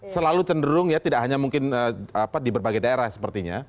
selalu cenderung ya tidak hanya mungkin di berbagai daerah sepertinya